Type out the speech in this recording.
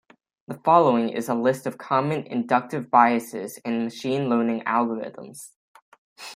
The following is a list of common inductive biases in machine learning algorithms.